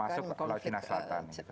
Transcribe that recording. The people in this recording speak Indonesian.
termasuk china selatan